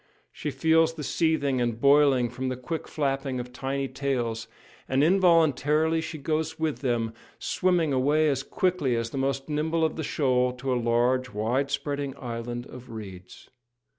She feels the seething and boiling from the quick flapping of tiny tails; and involuntarily she goes with them, swimming away as quickly as the most nimble of the shoal, to a large, wide spreading island of reeds.